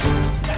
apaan sih ini